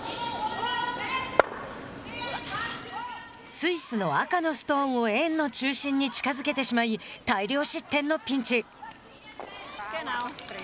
スイスの赤のストーンを円の中心に近づけてしまい大量失点のピンチ。